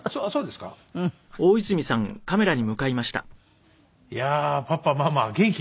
いやーパパママ元気？